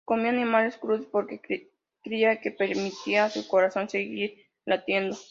Comía animales crudos porque creía que permitía a su corazón seguir latiendo.